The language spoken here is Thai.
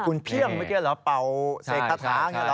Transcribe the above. คุณเพี่ยงเมื่อกี้เหรอเป่าเสกทะท้า